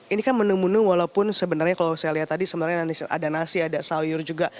ini kan menu menu walaupun sebenarnya kalau saya lihat tadi sebenarnya ada nasi ada sayur juga